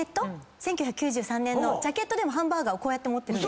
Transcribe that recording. １９９３年のジャケットでもハンバーガーをこうやって持ってるんですよ。